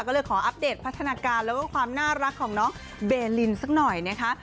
ก็เลยขออัปเดตพัฒนาการแล้วก็ความน่ารักของน้องเบลินสักหน่อยนะคะ